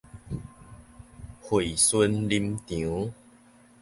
惠蓀林場